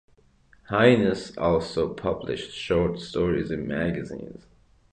Hines also published short stories in magazines.